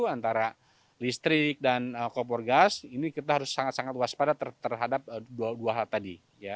antara listrik dan kompor gas ini kita harus sangat sangat waspada terhadap dua hal tadi